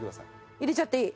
入れちゃっていい？